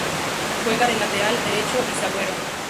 Juega de lateral derecho, y zaguero.